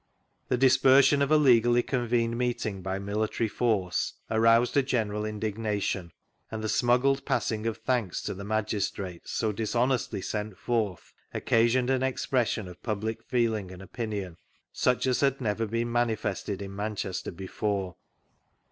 The dispersion of a legally convened meeting by military force aroused a getteral indignation, and the smuggled passing of thanks to the magis trates so dishonestly sent forth occasioned an ex pression of public feeling and opinion such as had never been manifested in ManchesVer before.